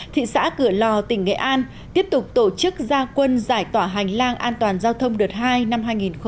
thị xã cửa lò tỉnh nghệ an tiếp tục tổ chức gia quân giải tỏa hành lang an toàn giao thông đợt hai năm hai nghìn hai mươi